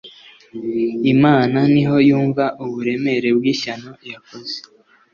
imana, niho yumva uburemere bw’ishyano yakoze